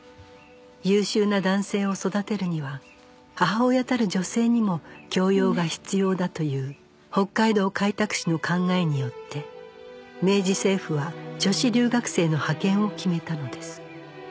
優秀な男性を育てるには母親たる女性にも教養が必要だという北海道開拓使の考えによって明治政府は女子留学生の派遣を決めたのです